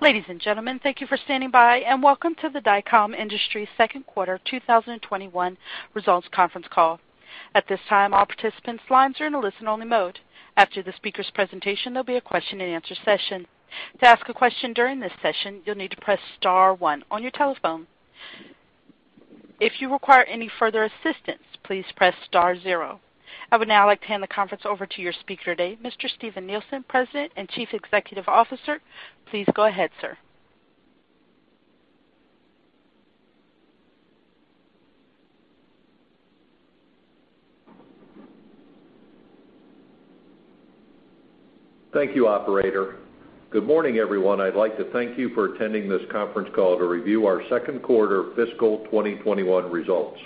Ladies and gentlemen, thank you for standing by, and welcome to the Dycom Industries Second Quarter 2021 Results Conference Call. I would now like to hand the conference over to your speaker today, Mr. Steven Nielsen, President and Chief Executive Officer. Please go ahead, sir. Thank you, operator. Good morning, everyone. I'd like to thank you for attending this conference call to review our Second Quarter Fiscal 2021 Results.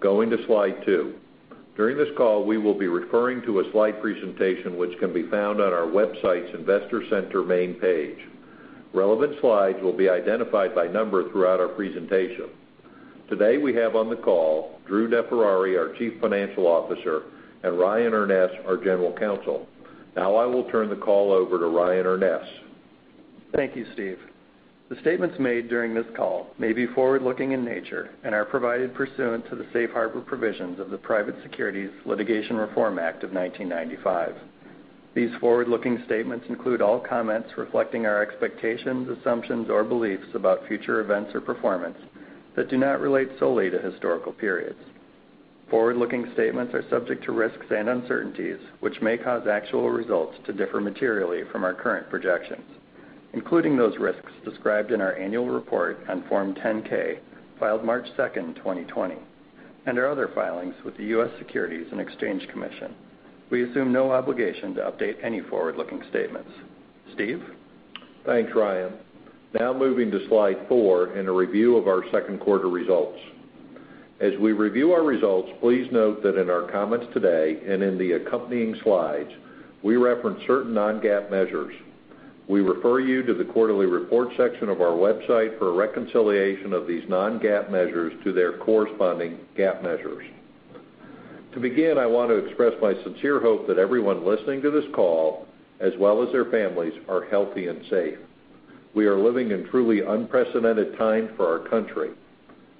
Going to slide two. During this call, we will be referring to a slide presentation which can be found on our website's investor center main page. Relevant slides will be identified by number throughout our presentation. Today, we have on the call Drew DeFerrari, our Chief Financial Officer, and Ryan Urness, our General Counsel. Now I will turn the call over to Ryan Urness. Thank you, Steve. The statements made during this call may be forward-looking in nature and are provided pursuant to the safe harbor provisions of the Private Securities Litigation Reform Act of 1995. These forward-looking statements include all comments reflecting our expectations, assumptions, or beliefs about future events or performance that do not relate solely to historical periods. Forward-looking statements are subject to risks and uncertainties, which may cause actual results to differ materially from our current projections, including those risks described in our annual report on Form 10-K filed March 2nd, 2020, and our other filings with the U.S. Securities and Exchange Commission. We assume no obligation to update any forward-looking statements. Steve? Thanks, Ryan. Moving to slide four in a review of our second quarter results. As we review our results, please note that in our comments today and in the accompanying slides, we reference certain non-GAAP measures. We refer you to the quarterly report section of our website for a reconciliation of these non-GAAP measures to their corresponding GAAP measures. To begin, I want to express my sincere hope that everyone listening to this call, as well as their families, are healthy and safe. We are living in truly unprecedented times for our country.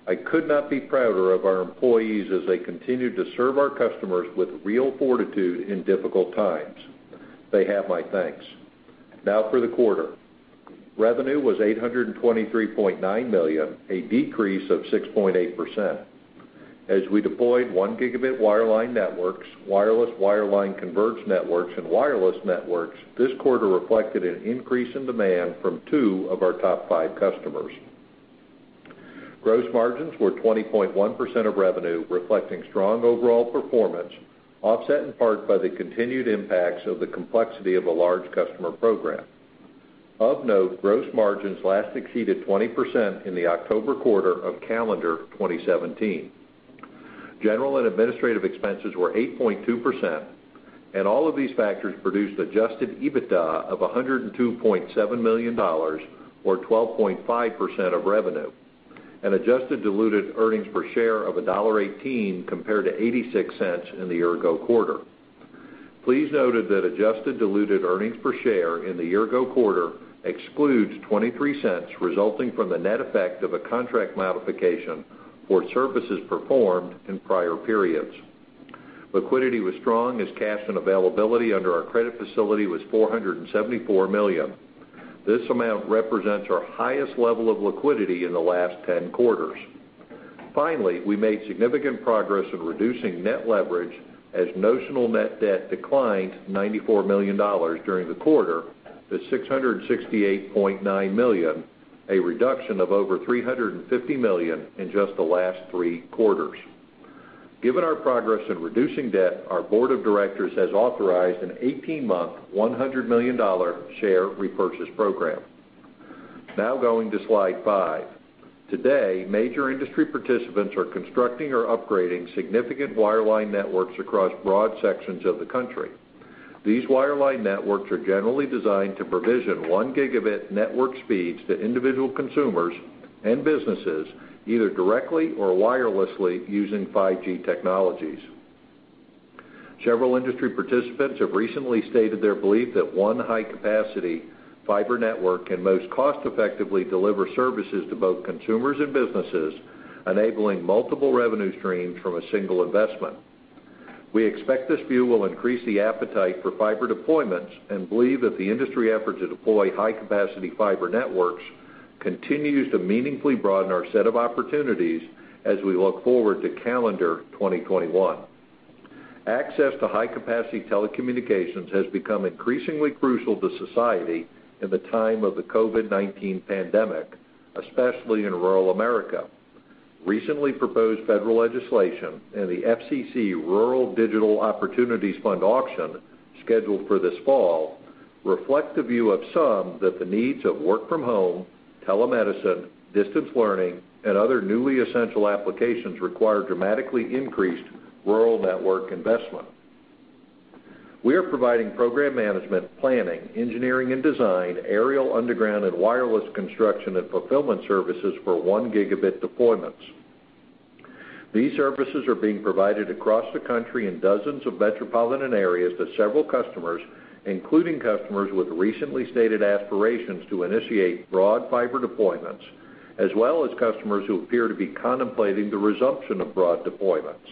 I could not be prouder of our employees as they continue to serve our customers with real fortitude in difficult times. They have my thanks. For the quarter. Revenue was $823.9 million, a decrease of 6.8%. As we deployed 1 Gb wireline networks, wireless wireline converged networks, and wireless networks, this quarter reflected an increase in demand from two of our top five customers. Gross margins were 20.1% of revenue, reflecting strong overall performance, offset in part by the continued impacts of the complexity of a large customer program. Of note, gross margins last exceeded 20% in the October quarter of calendar 2017. General and administrative expenses were 8.2%. All of these factors produced adjusted EBITDA of $102.7 million, or 12.5% of revenue, and adjusted diluted earnings per share of $1.18 compared to $0.86 in the year-ago quarter. Please note that adjusted diluted earnings per share in the year-ago quarter excludes $0.23 resulting from the net effect of a contract modification for services performed in prior periods. Liquidity was strong as cash and availability under our credit facility was $474 million. This amount represents our highest level of liquidity in the last 10 quarters. We made significant progress in reducing net leverage as notional net debt declined $94 million during the quarter to $668.9 million, a reduction of over $350 million in just the last three quarters. Given our progress in reducing debt, our board of directors has authorized an 18-month, $100 million share repurchase program. Going to slide five. Today, major industry participants are constructing or upgrading significant wireline networks across broad sections of the country. These wireline networks are generally designed to provision 1 Gb network speeds to individual consumers and businesses, either directly or wirelessly using 5G technologies. Several industry participants have recently stated their belief that one high-capacity fiber network can most cost-effectively deliver services to both consumers and businesses, enabling multiple revenue streams from a single investment. We expect this view will increase the appetite for fiber deployments and believe that the industry effort to deploy high-capacity fiber networks continues to meaningfully broaden our set of opportunities as we look forward to calendar 2021. Access to high-capacity telecommunications has become increasingly crucial to society in the time of the COVID-19 pandemic, especially in rural America. Recently proposed federal legislation and the FCC Rural Digital Opportunity Fund auction, scheduled for this fall, reflect the view of some that the needs of work from home, telemedicine, distance learning, and other newly essential applications require dramatically increased rural network investment. We are providing program management, planning, engineering and design, aerial, underground, and wireless construction and fulfillment services for 1 Gb deployments. These services are being provided across the country in dozens of metropolitan areas to several customers, including customers with recently stated aspirations to initiate broad fiber deployments, as well as customers who appear to be contemplating the resumption of broad deployments.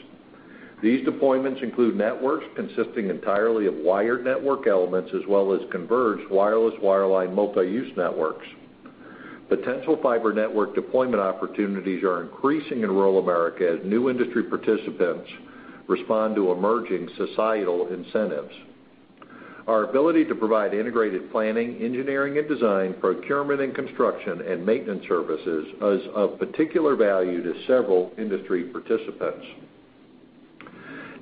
These deployments include networks consisting entirely of wired network elements as well as converged wireless, wireline multi-use networks. Potential fiber network deployment opportunities are increasing in rural America as new industry participants respond to emerging societal incentives. Our ability to provide integrated planning, engineering and design, procurement and construction, and maintenance services is of particular value to several industry participants.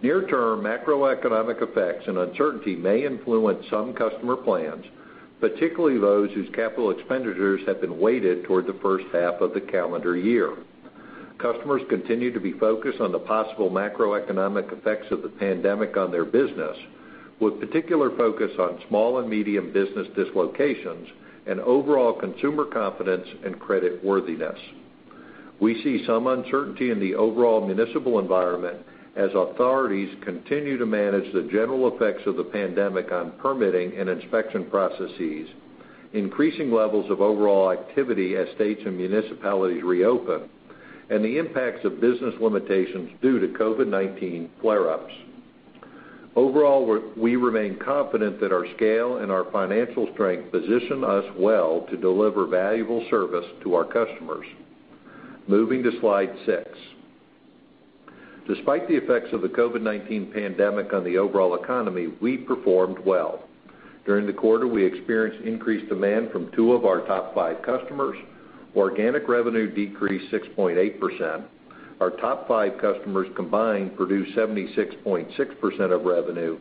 Near-term macroeconomic effects and uncertainty may influence some customer plans, particularly those whose capital expenditures have been weighted toward the first half of the calendar year. Customers continue to be focused on the possible macroeconomic effects of the pandemic on their business, with particular focus on small and medium business dislocations and overall consumer confidence and credit worthiness. We see some uncertainty in the overall municipal environment as authorities continue to manage the general effects of the pandemic on permitting and inspection processes, increasing levels of overall activity as states and municipalities reopen, and the impacts of business limitations due to COVID-19 flare-ups. Overall, we remain confident that our scale and our financial strength position us well to deliver valuable service to our customers. Moving to slide six. Despite the effects of the COVID-19 pandemic on the overall economy, we performed well. During the quarter, we experienced increased demand from two of our top five customers. Organic revenue decreased 6.8%. Our top five customers combined produced 76.6% of revenue,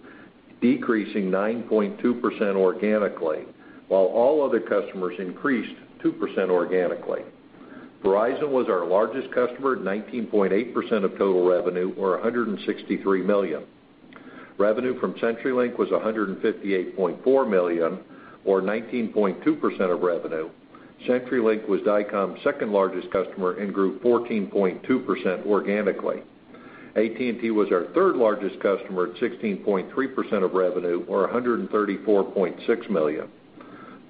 decreasing 9.2% organically, while all other customers increased 2% organically. Verizon was our largest customer at 19.8% of total revenue, or $163 million. Revenue from CenturyLink was $158.4 million, or 19.2% of revenue. CenturyLink was Dycom's second largest customer and grew 14.2% organically. AT&T was our third largest customer at 16.3% of revenue, or $134.6 million.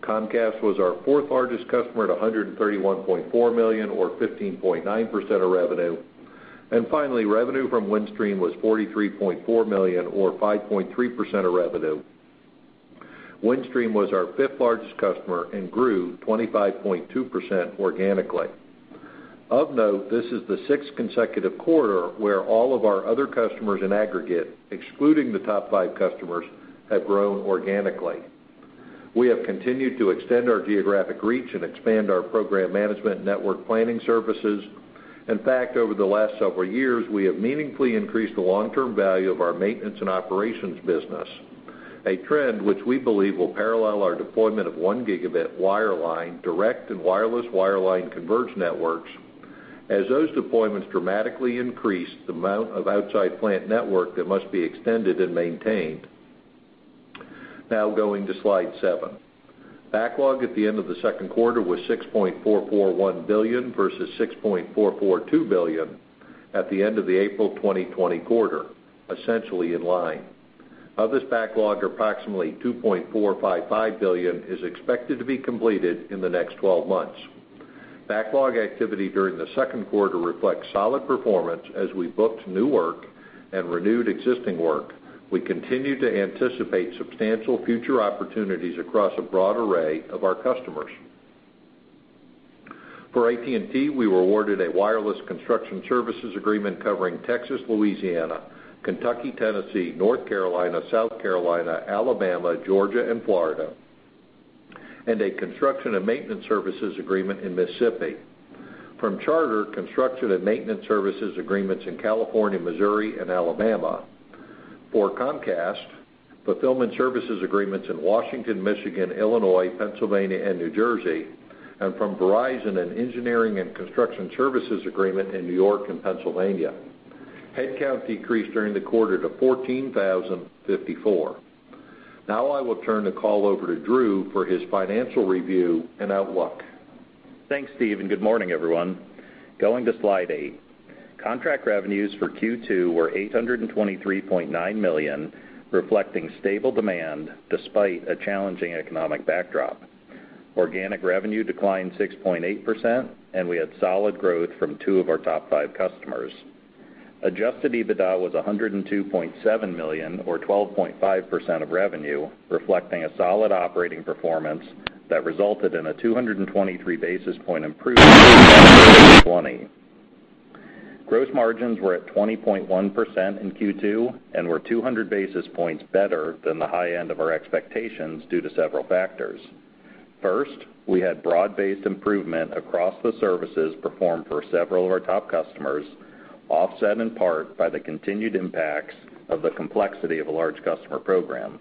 Comcast was our fourth largest customer at $131.4 million, or 15.9% of revenue. Finally, revenue from Windstream was $43.4 million, or 5.3% of revenue. Windstream was our fifth largest customer and grew 25.2% organically. Of note, this is the sixth consecutive quarter where all of our other customers in aggregate, excluding the top five customers, have grown organically. We have continued to extend our geographic reach and expand our program management network planning services. In fact, over the last several years, we have meaningfully increased the long-term value of our maintenance and operations business, a trend which we believe will parallel our deployment of 1 Gb wireline direct and wireless wireline converged networks, as those deployments dramatically increase the amount of outside plant network that must be extended and maintained. Now going to slide seven. Backlog at the end of the second quarter was $6.441 billion, versus $6.442 billion at the end of the April 2020 quarter, essentially in line. Of this backlog, approximately $2.455 billion is expected to be completed in the next 12 months. Backlog activity during the second quarter reflects solid performance as we booked new work and renewed existing work. We continue to anticipate substantial future opportunities across a broad array of our customers. For AT&T, we were awarded a wireless construction services agreement covering Texas, Louisiana, Kentucky, Tennessee, North Carolina, South Carolina, Alabama, Georgia, and Florida, and a construction and maintenance services agreement in Mississippi. From Charter, construction and maintenance services agreements in California, Missouri, and Alabama. For Comcast, fulfillment services agreements in Washington, Michigan, Illinois, Pennsylvania, and New Jersey. From Verizon, an engineering and construction services agreement in N.Y. and Pennsylvania. Headcount decreased during the quarter to 14,054. Now I will turn the call over to Drew for his financial review and outlook. Thanks, Steve. Good morning, everyone. Going to slide eight. Contract revenues for Q2 were $823.9 million, reflecting stable demand despite a challenging economic backdrop. Organic revenue declined 6.8%, and we had solid growth from two of our top five customers. Adjusted EBITDA was $102.7 million, or 12.5% of revenue, reflecting a solid operating performance that resulted in a 223 basis point improvement over 2020. Gross margins were at 20.1% in Q2 and were 200 basis points better than the high end of our expectations due to several factors. First, we had broad-based improvement across the services performed for several of our top customers, offset in part by the continued impacts of the complexity of a large customer program.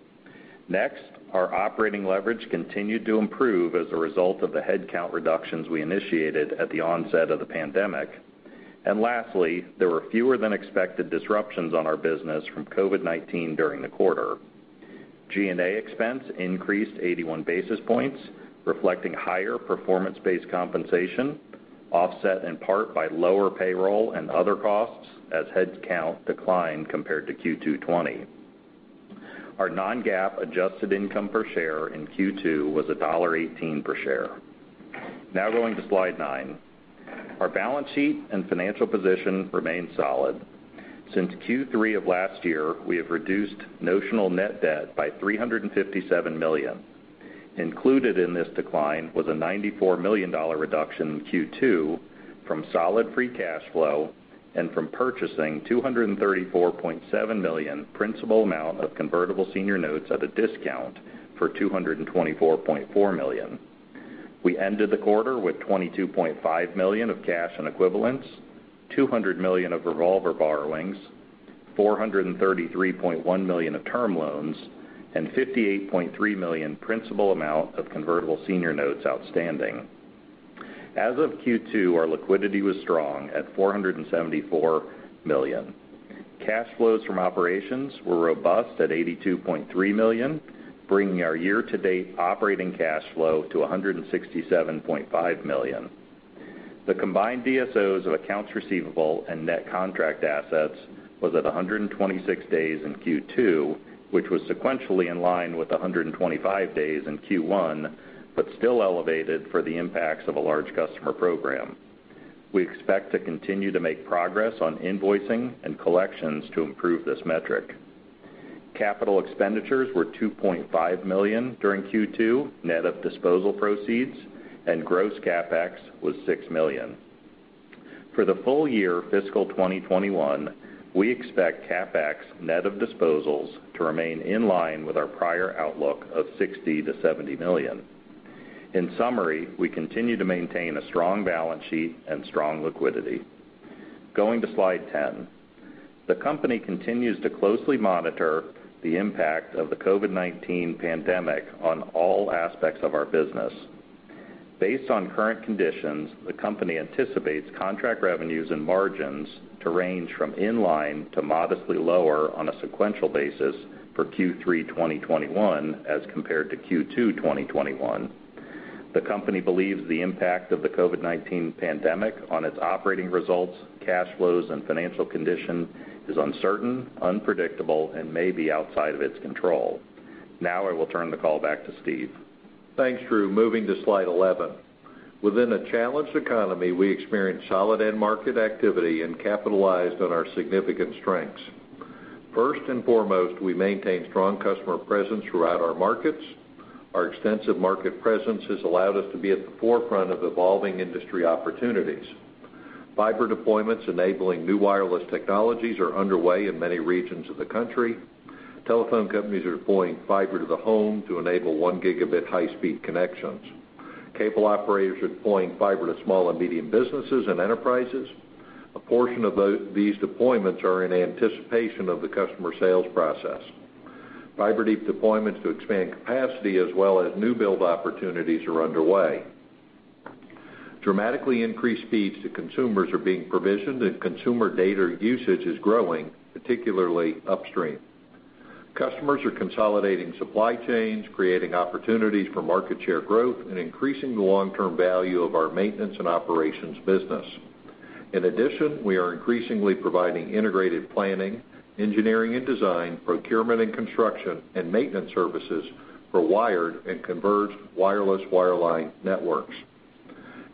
Next, our operating leverage continued to improve as a result of the headcount reductions we initiated at the onset of the pandemic. Lastly, there were fewer than expected disruptions on our business from COVID-19 during the quarter. G&A expense increased 81 basis points, reflecting higher performance-based compensation, offset in part by lower payroll and other costs as head count declined compared to Q2 2020. Our non-GAAP adjusted income per share in Q2 was $1.18 per share. Going to slide nine. Our balance sheet and financial position remain solid. Since Q3 of last year, we have reduced notional net debt by $357 million. Included in this decline was a $94 million reduction in Q2 from solid free cash flow and from purchasing $234.7 million principal amount of convertible senior notes at a discount for $224.4 million. We ended the quarter with $22.5 million of cash and equivalents, $200 million of revolver borrowings, $433.1 million of term loans, and $58.3 million principal amount of convertible senior notes outstanding. As of Q2, our liquidity was strong at $474 million. Cash flows from operations were robust at $82.3 million, bringing our year-to-date operating cash flow to $167.5 million. The combined DSOs of accounts receivable and net contract assets was at 126 days in Q2, which was sequentially in line with 125 days in Q1, but still elevated for the impacts of a large customer program. We expect to continue to make progress on invoicing and collections to improve this metric. Capital expenditures were $2.5 million during Q2, net of disposal proceeds, and gross CapEx was $6 million. For the full year fiscal 2021, we expect CapEx net of disposals to remain in line with our prior outlook of $60 million-$70 million. In summary, we continue to maintain a strong balance sheet and strong liquidity. Going to slide 10. The company continues to closely monitor the impact of the COVID-19 pandemic on all aspects of our business. Based on current conditions, the company anticipates contract revenues and margins to range from in line to modestly lower on a sequential basis for Q3 2021 as compared to Q2 2021. The company believes the impact of the COVID-19 pandemic on its operating results, cash flows, and financial condition is uncertain, unpredictable, and may be outside of its control. Now I will turn the call back to Steve. Thanks, Drew. Moving to slide 11. Within a challenged economy, we experienced solid end market activity and capitalized on our significant strengths. First and foremost, we maintain strong customer presence throughout our markets. Our extensive market presence has allowed us to be at the forefront of evolving industry opportunities. Fiber deployments enabling new wireless technologies are underway in many regions of the country. Telephone companies are deploying fiber to the home to enable 1 Gb high-speed connections. Cable operators are deploying fiber to small and medium businesses and enterprises. A portion of these deployments are in anticipation of the customer sales process. Fiber deep deployments to expand capacity as well as new build opportunities are underway. Dramatically increased speeds to consumers are being provisioned and consumer data usage is growing, particularly upstream. Customers are consolidating supply chains, creating opportunities for market share growth, and increasing the long-term value of our maintenance and operations business. In addition, we are increasingly providing integrated planning, engineering and design, procurement and construction, and maintenance services for wired and converged wireless wireline networks.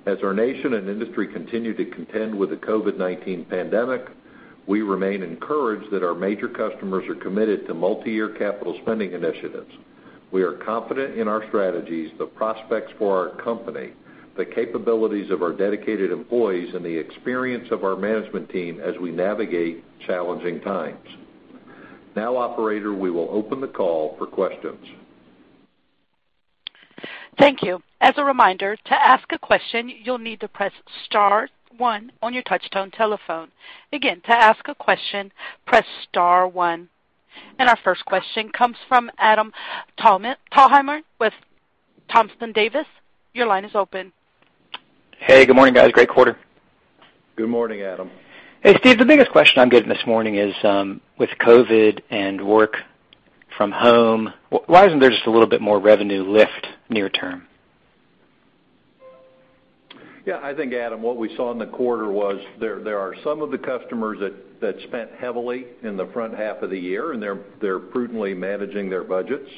As our nation and industry continue to contend with the COVID-19 pandemic, we remain encouraged that our major customers are committed to multi-year capital spending initiatives. We are confident in our strategies, the prospects for our company, the capabilities of our dedicated employees, and the experience of our management team as we navigate challenging times. Now, operator, we will open the call for questions. Thank you. Our first question comes from Adam Thalhimer with Thompson Davis. Your line is open. Hey, good morning, guys. Great quarter. Good morning, Adam. Hey, Steve, the biggest question I'm getting this morning is, with COVID and work from home, why isn't there just a little bit more revenue lift near term? I think, Adam, what we saw in the quarter was there are some of the customers that spent heavily in the front half of the year, and they're prudently managing their budgets.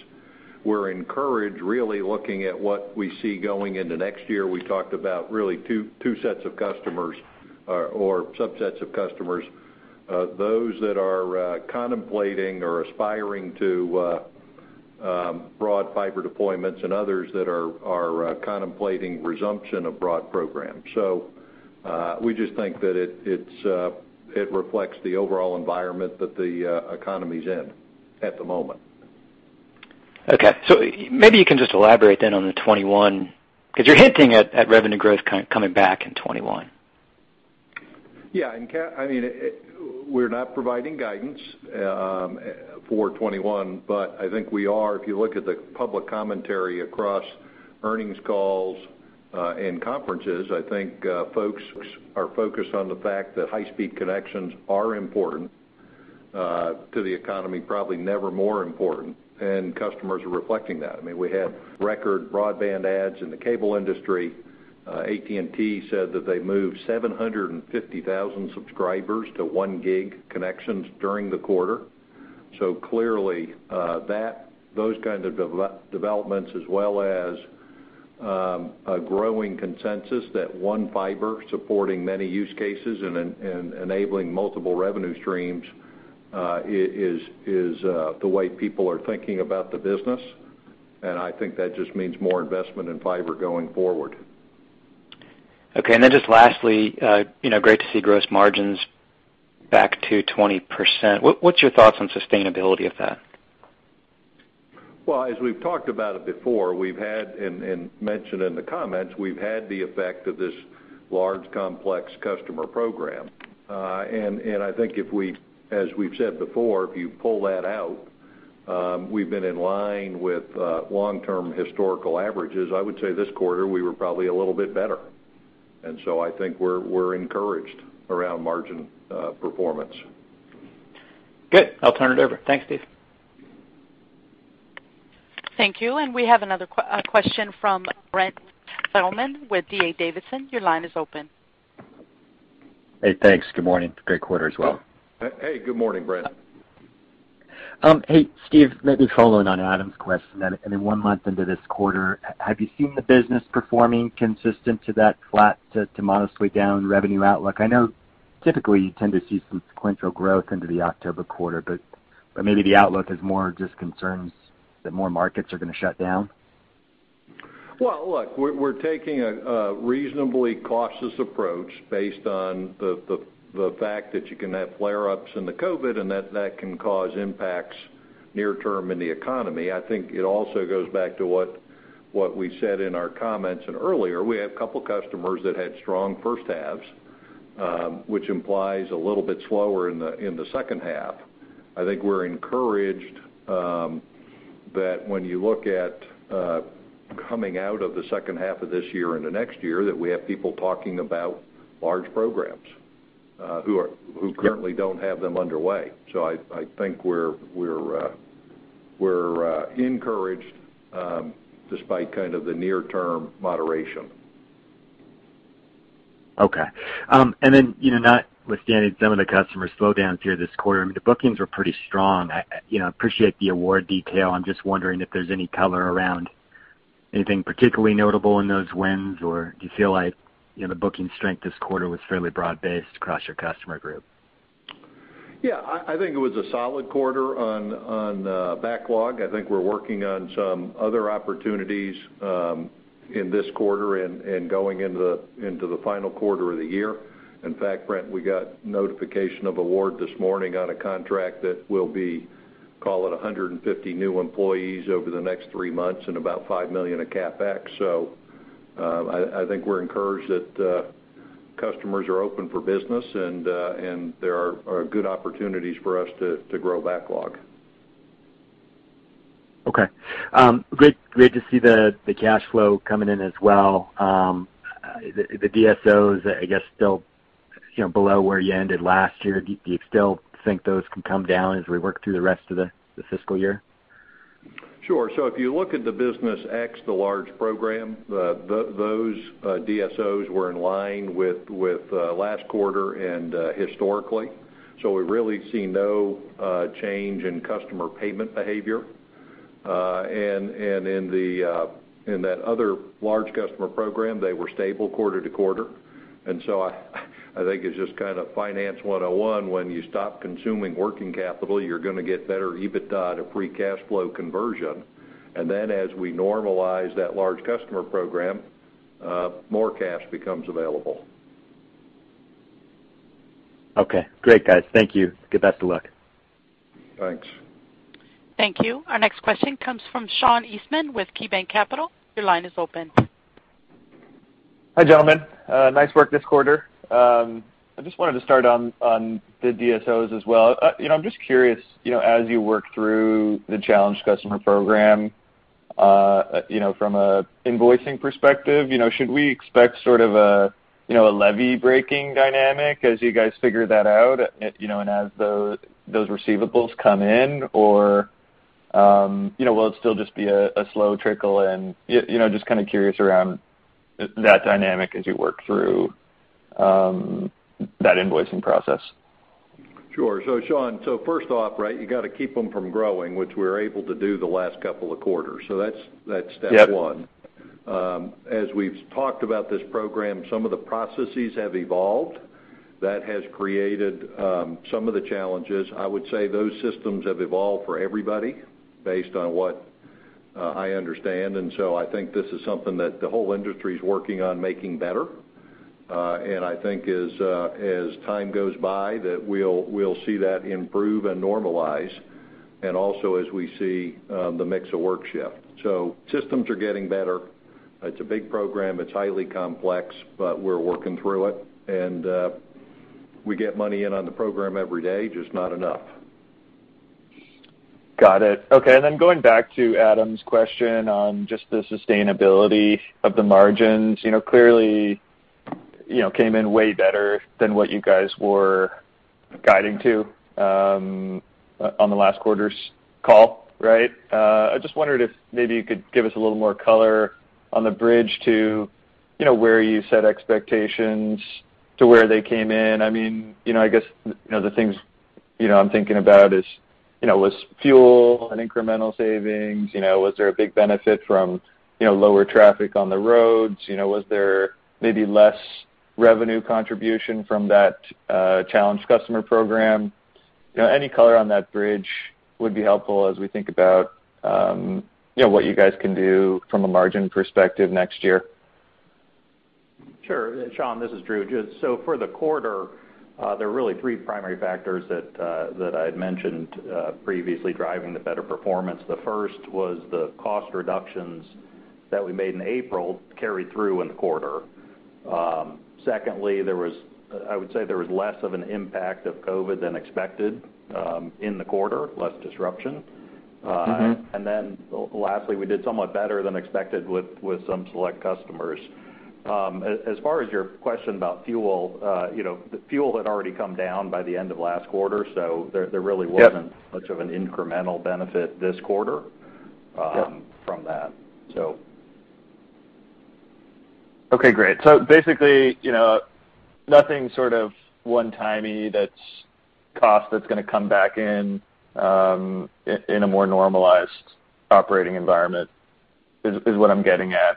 We're encouraged really looking at what we see going into next year. We talked about really two sets of customers or subsets of customers, those that are contemplating or aspiring to broad fiber deployments and others that are contemplating resumption of broad programs. We just think that it reflects the overall environment that the economy's in at the moment. Okay. Maybe you can just elaborate then on the 2021, because you're hinting at revenue growth coming back in 2021? Yeah. We're not providing guidance for 2021. I think we are, if you look at the public commentary across earnings calls and conferences, I think folks are focused on the fact that high-speed connections are important to the economy, probably never more important, and customers are reflecting that. We had record broadband adds in the cable industry. AT&T said that they moved 750,000 subscribers to one gig connections during the quarter. Clearly, those kinds of developments, as well as a growing consensus that one fiber supporting many use cases and enabling multiple revenue streams, is the way people are thinking about the business. I think that just means more investment in fiber going forward. Okay. Just lastly, great to see gross margins back to 20%. What's your thoughts on sustainability of that? Well, as we've talked about it before, we've had, and mentioned in the comments, we've had the effect of this large, complex customer program. I think as we've said before, if you pull that out, we've been in line with long-term historical averages. I would say this quarter, we were probably a little bit better. I think we're encouraged around margin performance. Good. I'll turn it over. Thanks, Steve. Thank you. We have another question from Brent Thielman with D.A. Davidson. Your line is open. Hey, thanks. Good morning. Great quarter as well. Hey, good morning, Brent. Hey, Steve, maybe following on Adam's question, one month into this quarter, have you seen the business performing consistent to that flat to modestly down revenue outlook? I know typically you tend to see some sequential growth into the October quarter, maybe the outlook is more just concerns that more markets are going to shut down? Well, look, we're taking a reasonably cautious approach based on the fact that you can have flare-ups in the COVID, that can cause impacts near-term in the economy. I think it also goes back to what we said in our comments and earlier, we had a couple of customers that had strong first halves, which implies a little bit slower in the second half. I think we're encouraged that when you look at coming out of the second half of this year into next year, that we have people talking about large programs who currently don't have them underway. I think we're encouraged despite kind of the near-term moderation. Okay. Notwithstanding some of the customer slowdowns here this quarter, I mean, the bookings were pretty strong. I appreciate the award detail. I'm just wondering if there's any color around anything particularly notable in those wins, or do you feel like the booking strength this quarter was fairly broad-based across your customer group? Yeah, I think it was a solid quarter on backlog. I think we're working on some other opportunities in this quarter and going into the final quarter of the year. In fact, Brent, we got notification of award this morning on a contract that will be, call it 150 new employees over the next three months and about $5 million of CapEx. I think we're encouraged that customers are open for business, and there are good opportunities for us to grow backlog. Okay. Great to see the cash flow coming in as well. The DSOs, I guess, still below where you ended last year. Do you still think those can come down as we work through the rest of the fiscal year? Sure. If you look at the business ex the large program, those DSOs were in line with last quarter and historically. We really see no change in customer payment behavior. In that other large customer program, they were stable quarter to quarter. I think it's just kind of finance 101, when you stop consuming working capital, you're going to get better EBITDA to free cash flow conversion. Then as we normalize that large customer program, more cash becomes available. Okay. Great, guys. Thank you. Good best of luck. Thanks. Thank you. Our next question comes from Sean Eastman with KeyBanc Capital. Your line is open. Hi, gentlemen. Nice work this quarter. I just wanted to start on the DSOs as well. I'm just curious, as you work through the Challenged Customer Program, from an invoicing perspective, should we expect sort of a levee-breaking dynamic as you guys figure that out, and as those receivables come in? Or will it still just be a slow trickle? Just kind of curious around that dynamic as you work through that invoicing process. Sure. Sean, first off, you got to keep them from growing, which we were able to do the last couple of quarters. That's step one. As we've talked about this program, some of the processes have evolved. That has created some of the challenges. I would say those systems have evolved for everybody based on what I understand, and so I think this is something that the whole industry's working on making better. I think as time goes by, that we'll see that improve and normalize, and also as we see the mix of work shift. Systems are getting better. It's a big program. It's highly complex, but we're working through it. We get money in on the program every day, just not enough. Got it. Okay. Going back to Adam's question on just the sustainability of the margins. Clearly, came in way better than what you guys were guiding to on the last quarter's call, right? I just wondered if maybe you could give us a little more color on the bridge to where you set expectations to where they came in. I guess, the things I'm thinking about is, was fuel an incremental savings? Was there a big benefit from lower traffic on the roads? Was there maybe less revenue contribution from that challenge customer program? Any color on that bridge would be helpful as we think about what you guys can do from a margin perspective next year. Sure. Sean, this is Drew. For the quarter, there are really three primary factors that I had mentioned previously driving the better performance. The first was the cost reductions that we made in April carried through in the quarter. Secondly, I would say there was less of an impact of COVID-19 than expected, in the quarter, less disruption. Lastly, we did somewhat better than expected with some select customers. As far as your question about fuel had already come down by the end of last quarter much of an incremental benefit this quarter from that. Okay, great. Basically, nothing sort of one-timey that's cost that's going to come back in a more normalized operating environment is what I'm getting at.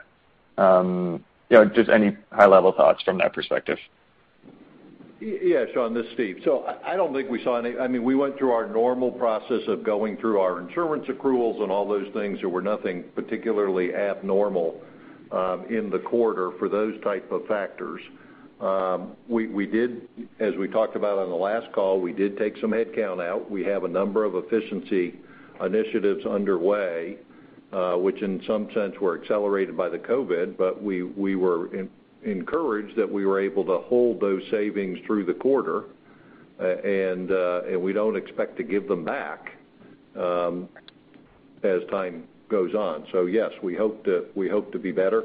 Just any high-level thoughts from that perspective? Yeah, Sean, this is Steve. We went through our normal process of going through our insurance accruals and all those things. There were nothing particularly abnormal in the quarter for those type of factors. As we talked about on the last call, we did take some head count out. We have a number of efficiency initiatives underway, which in some sense were accelerated by the COVID, but we were encouraged that we were able to hold those savings through the quarter. We don't expect to give them back as time goes on. Yes, we hope to be better,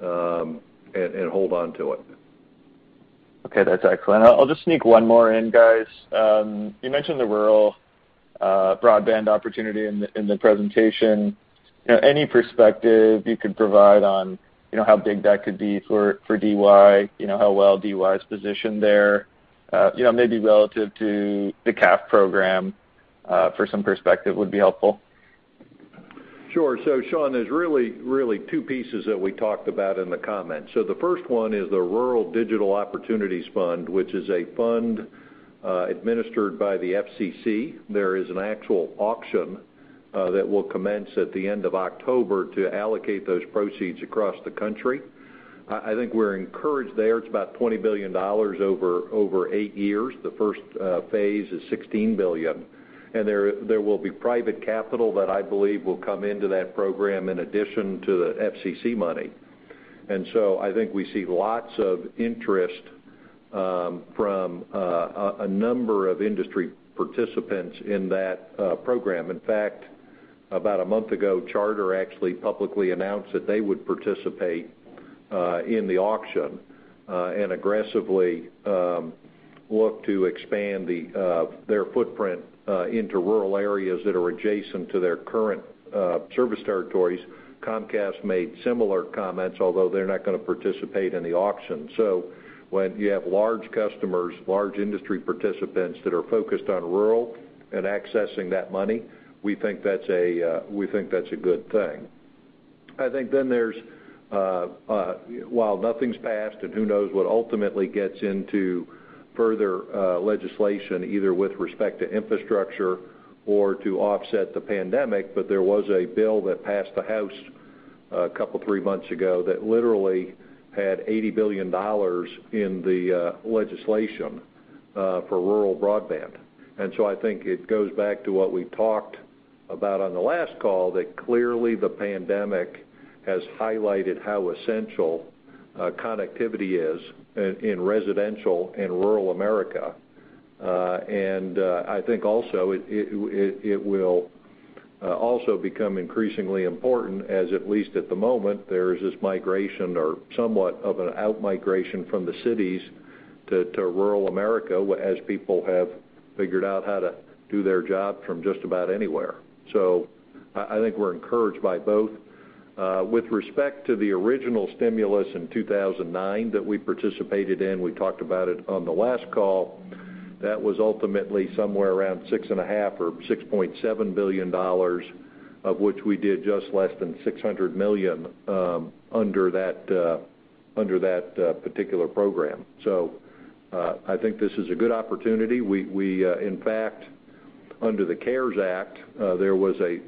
and hold on to it. Okay, that's excellent. I'll just sneak one more in, guys. You mentioned the rural broadband opportunity in the presentation. Any perspective you could provide on how big that could be for DY, how well DY's positioned there, maybe relative to the CAF program, for some perspective would be helpful. Sure. Sean, there's really two pieces that we talked about in the comments. The first one is the Rural Digital Opportunity Fund, which is a fund administered by the FCC. There is an actual auction that will commence at the end of October to allocate those proceeds across the country. I think we're encouraged there. It's about $20 billion over eight years. The first phase is $16 billion, and there will be private capital that I believe will come into that program in addition to the FCC money. I think we see lots of interest from a number of industry participants in that program. In fact, about a month ago, Charter actually publicly announced that they would participate in the auction and aggressively look to expand their footprint into rural areas that are adjacent to their current service territories. Comcast made similar comments, although they're not going to participate in the auction. When you have large customers, large industry participants that are focused on rural and accessing that money, we think that's a good thing. I think there's, while nothing's passed and who knows what ultimately gets into further legislation, either with respect to infrastructure or to offset the pandemic, there was a bill that passed the House a couple, three months ago that literally had $80 billion in the legislation for rural broadband. I think it goes back to what we talked about on the last call, that clearly the pandemic has highlighted how essential connectivity is in residential and rural America. I think also it will also become increasingly important as at least at the moment, there is this migration or somewhat of an outmigration from the cities to rural America, as people have figured out how to do their job from just about anywhere. I think we're encouraged by both. With respect to the original stimulus in 2009 that we participated in, we talked about it on the last call. That was ultimately somewhere around six and a half or $6.7 billion, of which we did just less than $600 million under that particular program. I think this is a good opportunity. We, in fact, under the CARES Act, there was a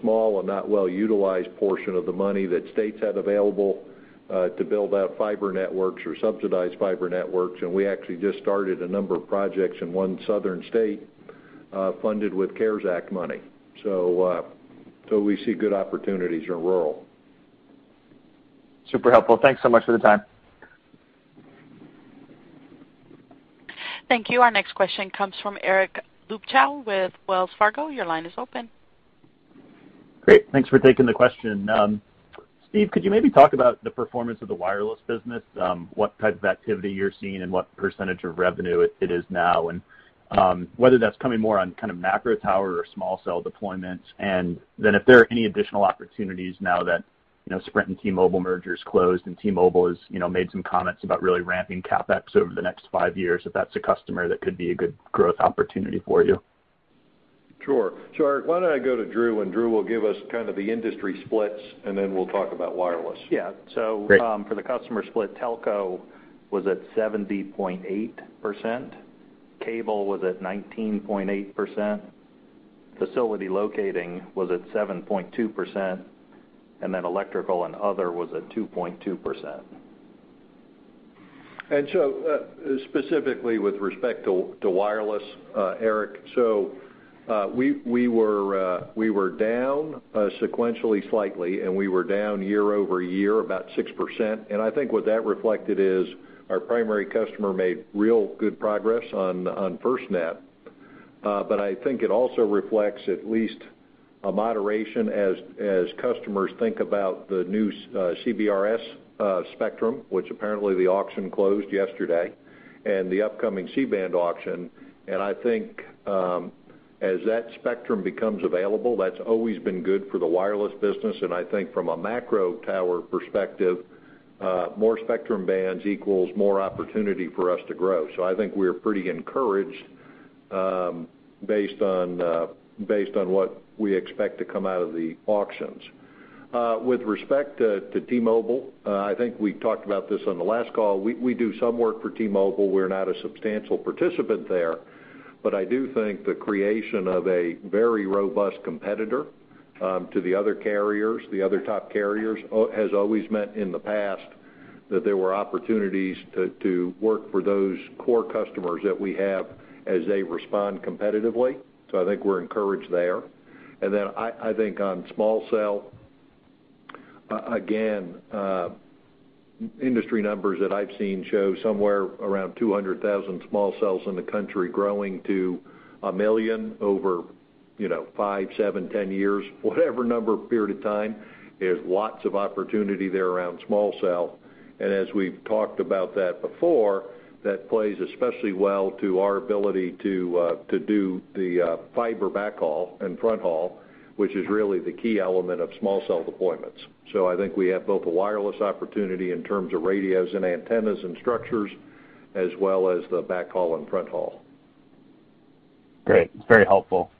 small and not well utilized portion of the money that states had available to build out fiber networks or subsidized fiber networks, and we actually just started a number of projects in one southern state, funded with CARES Act money. We see good opportunities in rural. Super helpful. Thanks so much for the time. Thank you. Our next question comes from Eric Luebchow with Wells Fargo. Your line is open. Great. Thanks for taking the question. Steve, could you maybe talk about the performance of the wireless business, what type of activity you're seeing and what percentage of revenue it is now, and whether that's coming more on kind of macro tower or small cell deployments? Then if there are any additional opportunities now that Sprint and T-Mobile merger's closed and T-Mobile has made some comments about really ramping CapEx over the next five years, if that's a customer that could be a good growth opportunity for you. Sure. Eric, why don't I go to Drew, and Drew will give us kind of the industry splits, and then we'll talk about wireless. Yeah. Great. For the customer split, telco was at 70.8%, cable was at 19.8%, facility locating was at 7.2%, electrical and other was at 2.2%. Specifically with respect to wireless, Eric, so we were down sequentially slightly, and we were down year-over-year about 6%. I think what that reflected is our primary customer made real good progress on FirstNet. I think it also reflects at least a moderation as customers think about the new CBRS spectrum, which apparently the auction closed yesterday, and the upcoming C-band auction. I think as that spectrum becomes available, that's always been good for the wireless business. I think from a macro tower perspective, more spectrum bands equals more opportunity for us to grow. I think we're pretty encouraged based on what we expect to come out of the auctions. With respect to T-Mobile, I think we talked about this on the last call. We do some work for T-Mobile. We're not a substantial participant there, I do think the creation of a very robust competitor to the other top carriers, has always meant in the past that there were opportunities to work for those core customers that we have as they respond competitively. I think we're encouraged there. I think on small cell, again, industry numbers that I've seen show somewhere around 200,000 small cells in the country growing to 1 million over five, seven, 10 years, whatever number period of time. There's lots of opportunity there around small cell, as we've talked about that before, that plays especially well to our ability to do the fiber backhaul and fronthaul, which is really the key element of small cell deployments. I think we have both a wireless opportunity in terms of radios and antennas and structures, as well as the backhaul and fronthaul. Great. That's very helpful.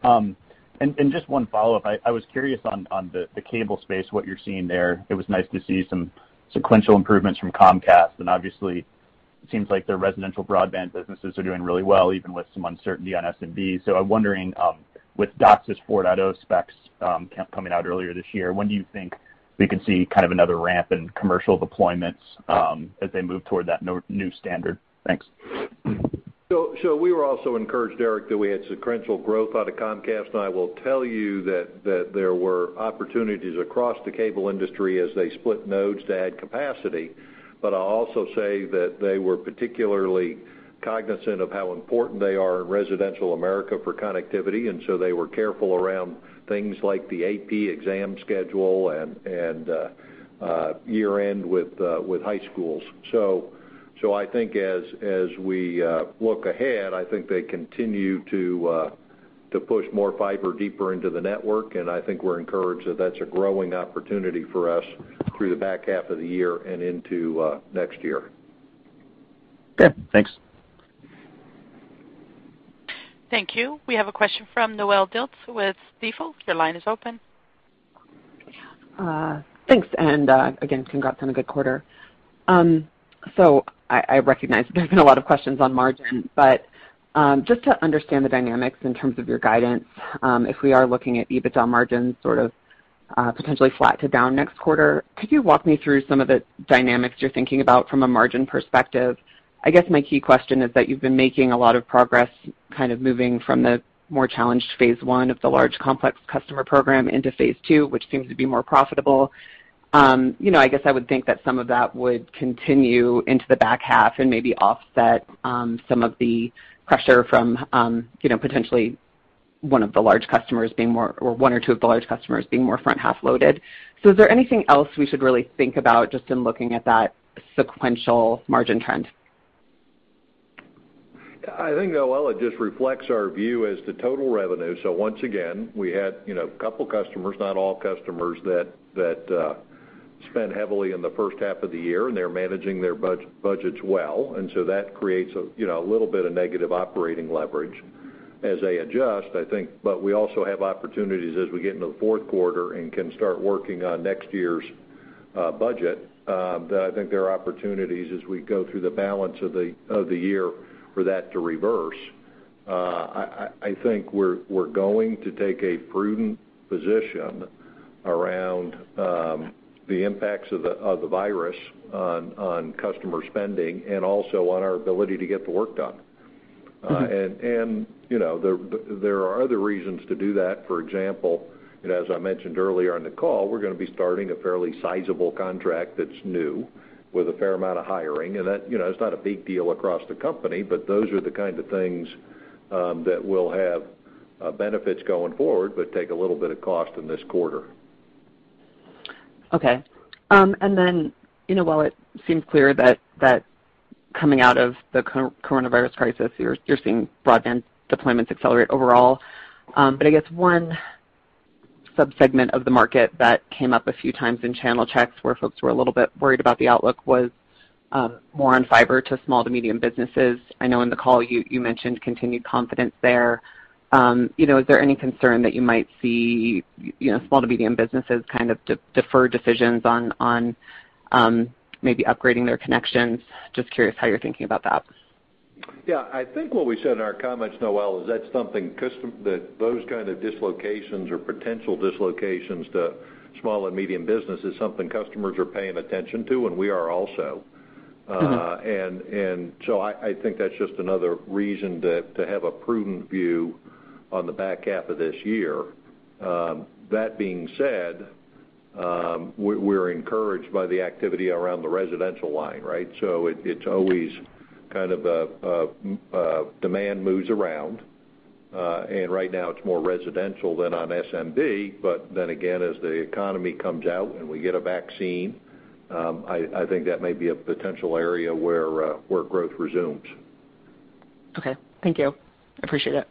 Just one follow-up. I was curious on the cable space, what you're seeing there. It was nice to see some sequential improvements from Comcast, and obviously it seems like their residential broadband businesses are doing really well, even with some uncertainty on S&P. I'm wondering, with DOCSIS 4.0 specs coming out earlier this year, when do you think we could see kind of another ramp in commercial deployments as they move toward that new standard? Thanks. We were also encouraged, Eric, that we had sequential growth out of Comcast, and I will tell you that there were opportunities across the cable industry as they split nodes to add capacity. I'll also say that they were particularly cognizant of how important they are in residential America for connectivity, and so they were careful around things like the AP exam schedule and year-end with high schools. I think as we look ahead, I think they continue to push more fiber deeper into the network, and I think we're encouraged that that's a growing opportunity for us through the back half of the year and into next year. Yeah, thanks. Thank you. We have a question from Noelle Dilts with Stifel. Your line is open. Thanks, again, congrats on a good quarter. I recognize there's been a lot of questions on margin, but just to understand the dynamics in terms of your guidance, if we are looking at EBITDA margins sort of potentially flat to down next quarter, could you walk me through some of the dynamics you're thinking about from a margin perspective? I guess my key question is that you've been making a lot of progress kind of moving from the more challenged phase 1 of the large complex customer program into phase 2, which seems to be more profitable. I guess I would think that some of that would continue into the back half and maybe offset some of the pressure from potentially one or two of the large customers being more front-half loaded. Is there anything else we should really think about just in looking at that sequential margin trend? I think, Noelle, it just reflects our view as to total revenue. Once again, we had a couple customers, not all customers, that spent heavily in the first half of the year, and they're managing their budgets well. That creates a little bit of negative operating leverage as they adjust, I think, but we also have opportunities as we get into the fourth quarter and can start working on next year's budget, that I think there are opportunities as we go through the balance of the year for that to reverse. I think we're going to take a prudent position around the impacts of the virus on customer spending and also on our ability to get the work done. There are other reasons to do that. For example, and as I mentioned earlier in the call, we're going to be starting a fairly sizable contract that's new with a fair amount of hiring, and that is not a big deal across the company, but those are the kinds of things that will have benefits going forward, but take a little bit of cost in this quarter. Okay. While it seems clear that coming out of the COVID-19 crisis, you're seeing broadband deployments accelerate overall, but I guess one sub-segment of the market that came up a few times in channel checks where folks were a little bit worried about the outlook was more on fiber to small to medium businesses. I know in the call you mentioned continued confidence there. Is there any concern that you might see small to medium businesses kind of defer decisions on maybe upgrading their connections? Just curious how you're thinking about that. I think what we said in our comments, Noelle, is that those kind of dislocations or potential dislocations to small and medium business is something customers are paying attention to, and we are also. I think that's just another reason to have a prudent view on the back half of this year. That being said, we're encouraged by the activity around the residential line, right? It's always kind of a demand moves around, and right now it's more residential than on SMB, again, as the economy comes out and we get a vaccine, I think that may be a potential area where growth resumes. Okay. Thank you. Appreciate it.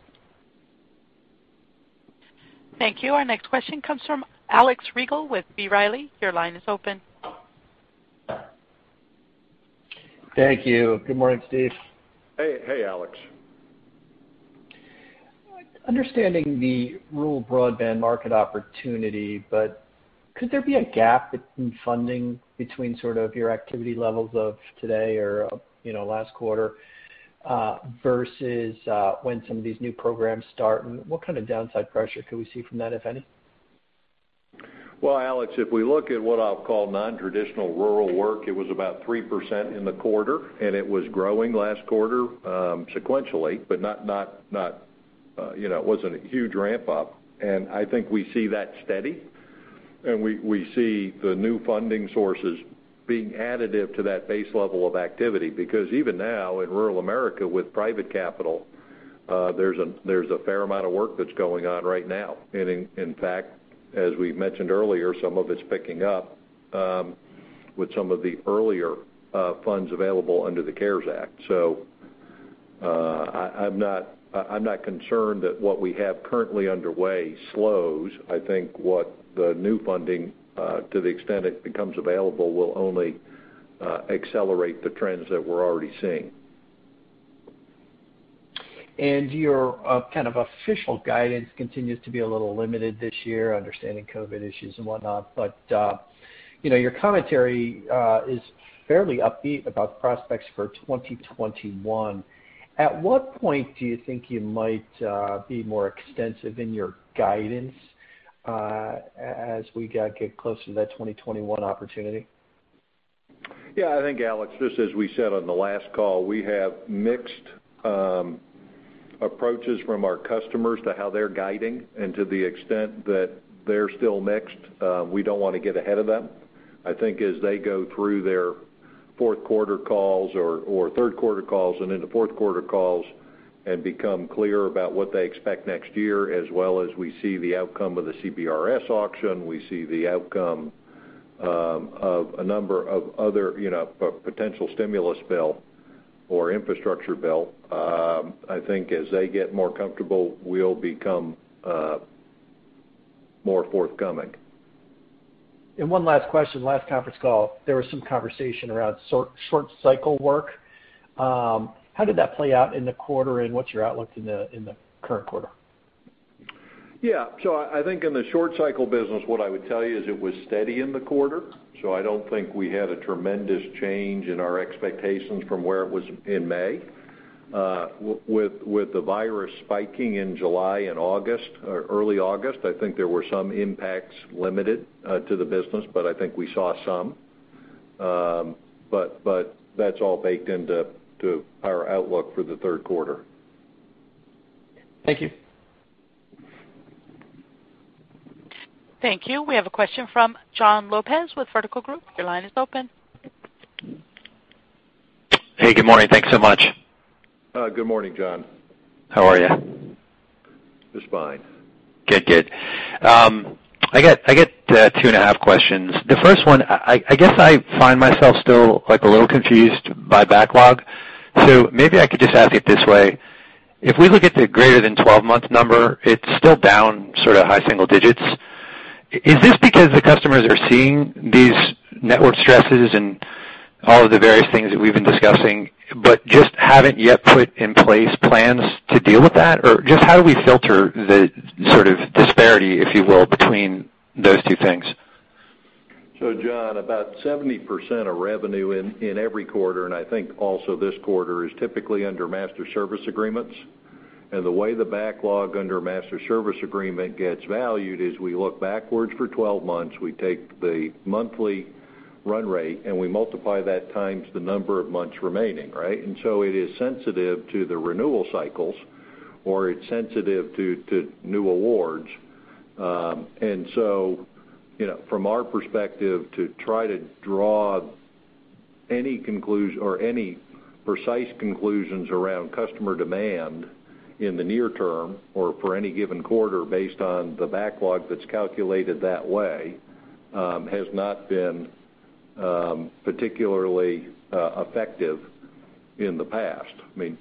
Thank you. Our next question comes from Alex Rygiel with B. Riley. Your line is open. Thank you. Good morning, Steve. Hey, Alex. Understanding the rural broadband market opportunity, could there be a gap in funding between sort of your activity levels of today or last quarter, versus when some of these new programs start, and what kind of downside pressure could we see from that, if any? Well, Alex, if we look at what I'll call non-traditional rural work, it was about 3% in the quarter, and it was growing last quarter, sequentially, but it wasn't a huge ramp-up. I think we see that steady, and we see the new funding sources being additive to that base level of activity because even now in rural America with private capital, there's a fair amount of work that's going on right now. In fact, as we mentioned earlier, some of it's picking up with some of the earlier funds available under the CARES Act. I'm not concerned that what we have currently underway slows. I think what the new funding, to the extent it becomes available, will only accelerate the trends that we're already seeing. Your kind of official guidance continues to be a little limited this year, understanding COVID issues and whatnot, but your commentary is fairly upbeat about prospects for 2021. At what point do you think you might be more extensive in your guidance as we get closer to that 2021 opportunity? Yeah, I think Alex, just as we said on the last call, we have mixed approaches from our customers to how they're guiding and to the extent that they're still mixed, we don't want to get ahead of them. I think as they go through their fourth quarter calls or third quarter calls and into fourth quarter calls and become clear about what they expect next year, as well as we see the outcome of the CBRS auction, we see the outcome of a number of other potential stimulus bill or infrastructure bill, I think as they get more comfortable, we'll become more forthcoming. One last question. Last conference call, there was some conversation around short cycle work. How did that play out in the quarter and what's your outlook in the current quarter? Yeah. I think in the short cycle business, what I would tell you is it was steady in the quarter. I don't think we had a tremendous change in our expectations from where it was in May. With the virus spiking in July and August or early August, I think there were some impacts limited to the business, but I think we saw some. That's all baked into our outlook for the third quarter. Thank you. Thank you. We have a question from Jon Lopez with Vertical Group. Your line is open. Hey, good morning. Thanks so much. Good morning, Jon. How are you? Just fine. Good. I got two and a half questions. The first one, I guess I find myself still a little confused by backlog. Maybe I could just ask it this way. If we look at the greater than 12 month number, it's still down sort of high single digits. Is this because the customers are seeing these network stresses and all of the various things that we've been discussing, but just haven't yet put in place plans to deal with that? Just how do we filter the sort of disparity, if you will, between those two things? Jon, about 70% of revenue in every quarter, and I think also this quarter, is typically under master service agreements. The way the backlog under master service agreement gets valued is we look backwards for 12 months, we take the monthly run rate, and we multiply that times the number of months remaining, right? It is sensitive to the renewal cycles, or it is sensitive to new awards. From our perspective, to try to draw any precise conclusions around customer demand in the near term or for any given quarter based on the backlog that is calculated that way, has not been particularly effective in the past.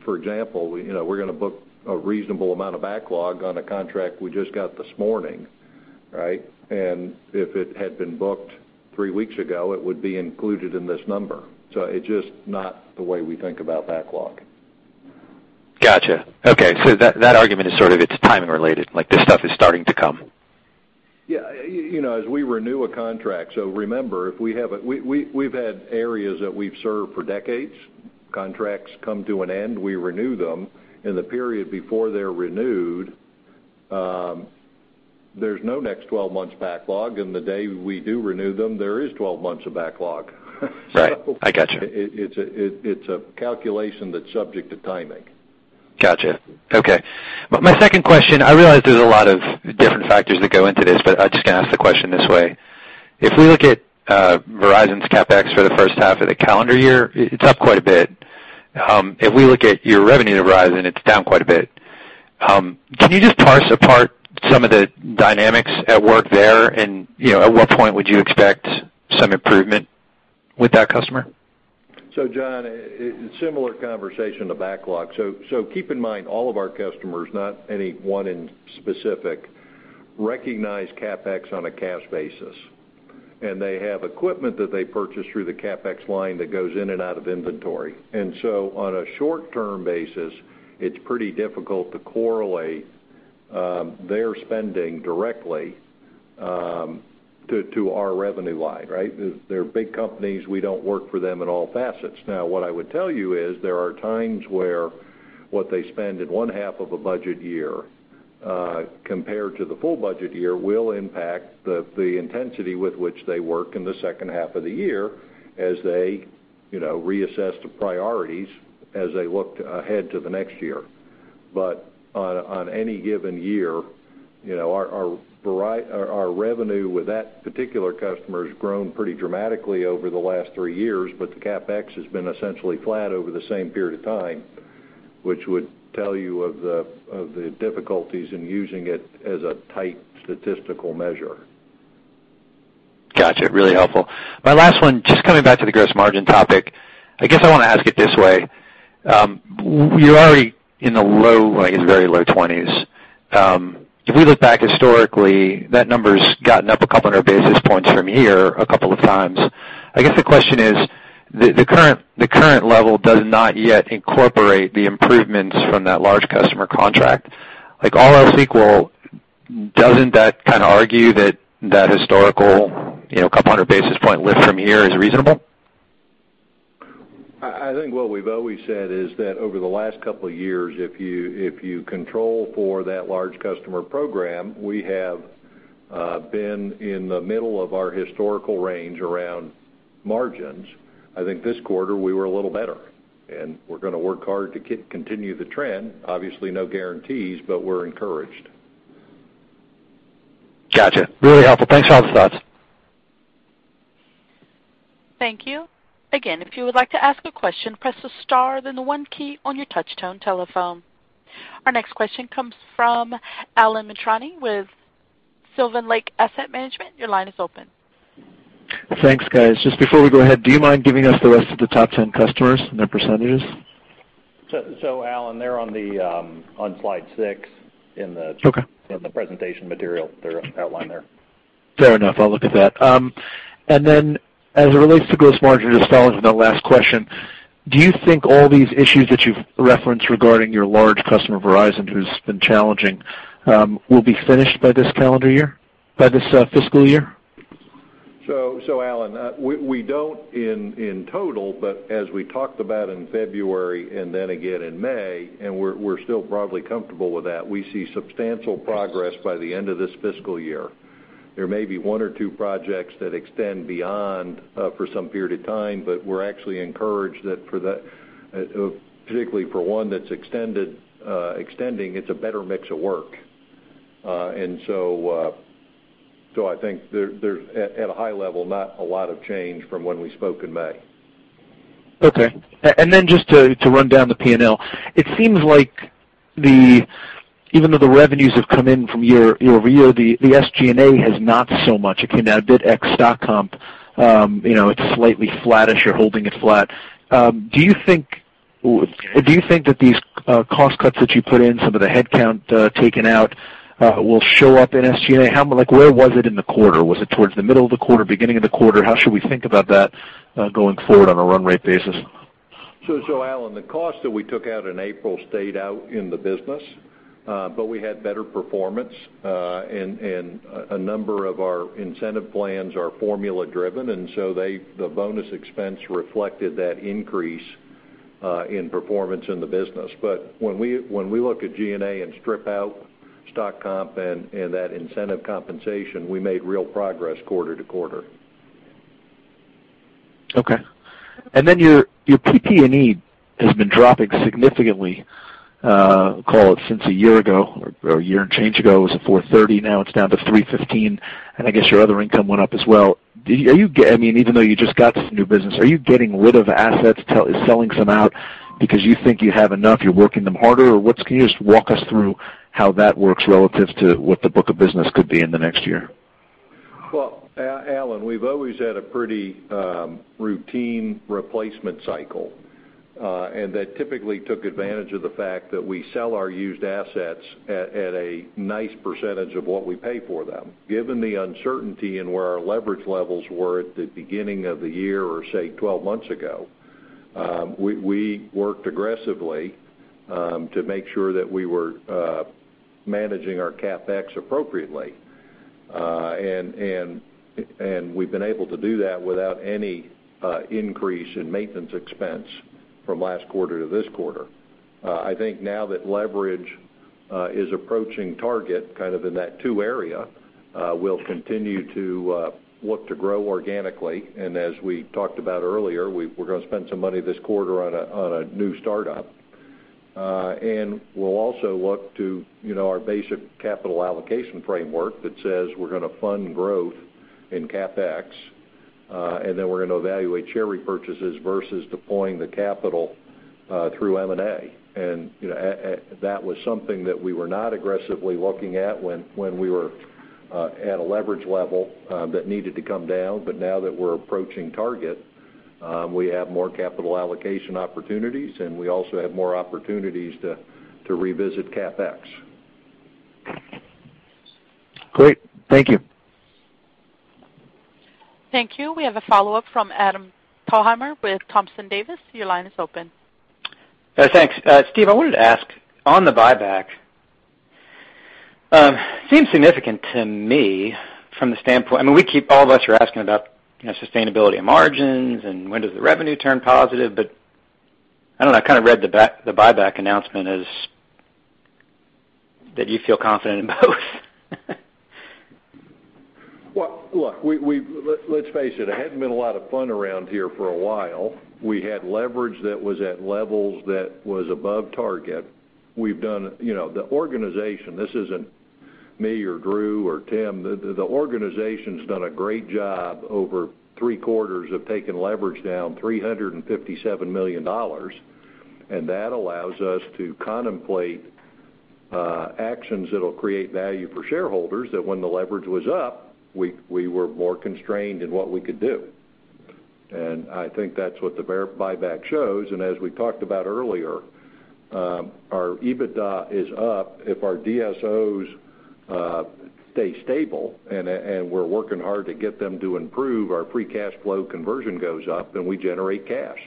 For example, we are going to book a reasonable amount of backlog on a contract we just got this morning, right? If it had been booked three weeks ago, it would be included in this number. It's just not the way we think about backlog. Got you. Okay. That argument is sort of, it's timing related, like this stuff is starting to come. Yeah. As we renew a contract, remember, we've had areas that we've served for decades. Contracts come to an end, we renew them. In the period before they're renewed, there's no next 12 months backlog. The day we do renew them, there is 12 months of backlog. Right. I got you. It's a calculation that's subject to timing. Got you. Okay. My second question, I realize there's a lot of different factors that go into this, but I'm just going to ask the question this way. If we look at Verizon's CapEx for the first half of the calendar year, it's up quite a bit. If we look at your revenue to Verizon, it's down quite a bit. Can you just parse apart some of the dynamics at work there? At what point would you expect some improvement with that customer? Jon, it's a similar conversation to backlog. Keep in mind, all of our customers, not any one in specific, recognize CapEx on a cash basis, and they have equipment that they purchase through the CapEx line that goes in and out of inventory. On a short-term basis, it's pretty difficult to correlate their spending directly to our revenue line, right? They're big companies. We don't work for them in all facets. What I would tell you is there are times where what they spend in one half of a budget year, compared to the full budget year, will impact the intensity with which they work in the second half of the year as they reassess the priorities as they look ahead to the next year. On any given year, our revenue with that particular customer has grown pretty dramatically over the last three years, the CapEx has been essentially flat over the same period of time, which would tell you of the difficulties in using it as a tight statistical measure. Got you. Really helpful. My last one, just coming back to the gross margin topic. I guess I want to ask it this way. You're already in the low, very low 20%. If we look back historically, that number's gotten up a couple of hundred basis points from here a couple of times. I guess the question is, the current level does not yet incorporate the improvements from that large customer contract. Like all else equal, doesn't that kind of argue that historical couple hundred basis point lift from here is reasonable? I think what we've always said is that over the last couple of years, if you control for that large customer program, we have been in the middle of our historical range around margins. I think this quarter we were a little better, and we're going to work hard to continue the trend. Obviously, no guarantees, but we're encouraged. Got you. Really helpful. Thanks for all the thoughts. Thank you. Again, if you would like to ask a question, press the star, then the one key on your touch tone telephone. Our next question comes from Alan Mitrani with Sylvan Lake Asset Management. Your line is open. Thanks, guys. Just before we go ahead, do you mind giving us the rest of the top 10 customers and their percentages? Alan, they're on slide six in the presentation material. They're outlined there. Fair enough. I'll look at that. As it relates to gross margin, just following up on that last question, do you think all these issues that you've referenced regarding your large customer, Verizon, who's been challenging, will be finished by this calendar year, by this fiscal year? Alan, we don't in total, but as we talked about in February and then again in May, and we're still broadly comfortable with that, we see substantial progress by the end of this fiscal year. There may be one or two projects that extend beyond, for some period of time, but we're actually encouraged that particularly for one that's extending, it's a better mix of work. I think at a high level, not a lot of change from when we spoke in May. Okay. Just to run down the P&L. It seems like even though the revenues have come in from year-over-year, the SG&A has not so much. It came down a bit ex comp. It's slightly flattish, you're holding it flat. Do you think that these cost cuts that you put in, some of the headcount taken out, will show up in SG&A? Where was it in the quarter? Was it towards the middle of the quarter, beginning of the quarter? How should we think about that going forward on a run rate basis? Alan, the cost that we took out in April stayed out in the business. We had better performance, and a number of our incentive plans are formula-driven, and so the bonus expense reflected that increase in performance in the business. When we look at G&A and strip out stock comp and that incentive compensation, we made real progress quarter-to-quarter. Okay. Your PP&E has been dropping significantly, call it since a year ago, or a year and change ago. It was at $430, now it is down to $315, and I guess your other income went up as well. Even though you just got this new business, are you getting rid of assets, selling some out because you think you have enough, you are working them harder? Can you just walk us through how that works relative to what the book of business could be in the next year? Well, Alan, we've always had a pretty routine replacement cycle. That typically took advantage of the fact that we sell our used assets at a nice percentage of what we pay for them. Given the uncertainty in where our leverage levels were at the beginning of the year, or say 12 months ago, we worked aggressively to make sure that we were managing our CapEx appropriately. We've been able to do that without any increase in maintenance expense from last quarter to this quarter. I think now that leverage is approaching target, kind of in that two area, we'll continue to look to grow organically. As we talked about earlier, we're going to spend some money this quarter on a new startup. We'll also look to our basic capital allocation framework that says we're going to fund growth in CapEx, then we're going to evaluate share repurchases versus deploying the capital through M&A. That was something that we were not aggressively looking at when we were at a leverage level that needed to come down. Now that we're approaching target, we have more capital allocation opportunities, we also have more opportunities to revisit CapEx. Great. Thank you. Thank you. We have a follow-up from Adam Thalhimer with Thompson Davis. Your line is open. Thanks. Steve, I wanted to ask on the buyback, seems significant to me from the standpoint. All of us are asking about sustainability of margins and when does the revenue turn positive. I don't know, I kind of read the buyback announcement as that you feel confident in both. Well, look, let's face it hadn't been a lot of fun around here for a while. We had leverage that was at levels that was above target. The organization, this isn't me or Drew or Tim, the organization's done a great job over three quarters of taking leverage down $357 million. That allows us to contemplate actions that'll create value for shareholders that when the leverage was up, we were more constrained in what we could do. I think that's what the buyback shows. As we talked about earlier, our EBITDA is up. If our DSOs stay stable, and we're working hard to get them to improve, our free cash flow conversion goes up, then we generate cash.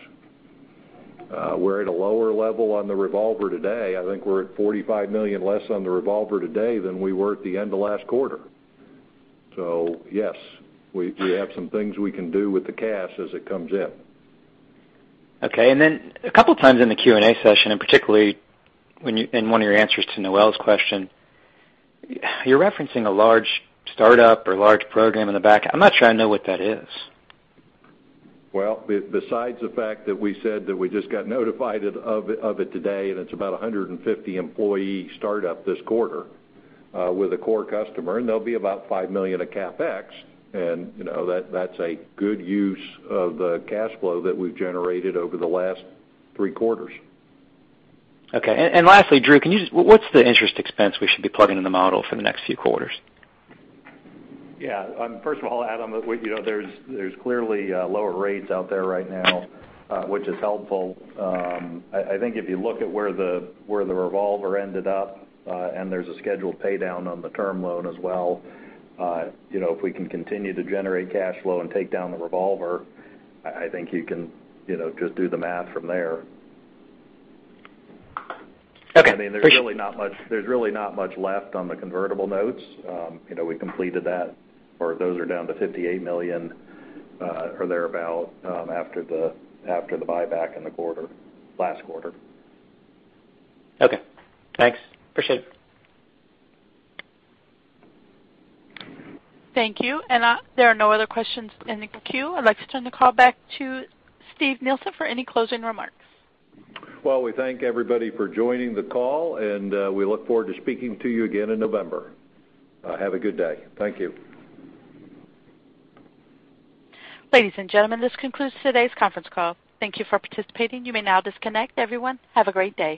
We're at a lower level on the revolver today. I think we're at $45 million less on the revolver today than we were at the end of last quarter. Yes, we have some things we can do with the cash as it comes in. Okay. A couple times in the Q&A session, and particularly in one of your answers to Noell's question, you're referencing a large startup or large program in the back. I'm not sure I know what that is. Well, besides the fact that we said that we just got notified of it today, and it's about 150 employee startup this quarter with a core customer, and there'll be about $5 million of CapEx. That's a good use of the cash flow that we've generated over the last three quarters. Okay. Lastly, Drew, what's the interest expense we should be plugging in the model for the next few quarters? First of all, Adam, there's clearly lower rates out there right now, which is helpful. I think if you look at where the revolver ended up, and there's a scheduled pay down on the term loan as well, if we can continue to generate cash flow and take down the revolver, I think you can just do the math from there. Okay. Appreciate it. There's really not much left on the convertible notes. We completed that, or those are down to $58 million or thereabout after the buyback in the quarter, last quarter. Okay. Thanks. Appreciate it. Thank you. There are no other questions in the queue. I'd like to turn the call back to Steven Nielsen for any closing remarks. Well, we thank everybody for joining the call, and we look forward to speaking to you again in November. Have a good day. Thank you. Ladies and gentlemen, this concludes today's conference call. Thank you for participating. You may now disconnect. Everyone, have a great day.